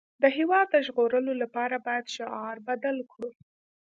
د هېواد د ژغورلو لپاره باید شعار بدل کړو